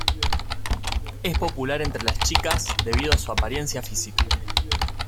Es popular entre las chicas, debido a su apariencia física.